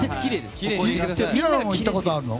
平野も行ったことあるの？